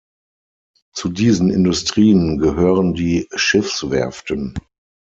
Zu diesen Industrien gehören die Schiffswerften.